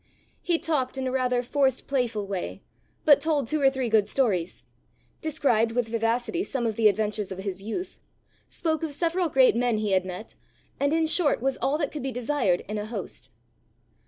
He talked in a rather forced playful way, but told two or three good stories; described with vivacity some of the adventures of his youth; spoke of several great men he had met; and in short was all that could be desired in a host.